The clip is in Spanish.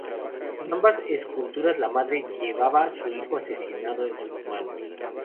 En ambas esculturas la madre llevaba su hijo asesinado en sus manos.